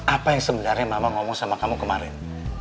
apa yang sebenarnya mama ngomong sama kamu kemarin